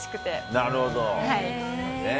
なるほど。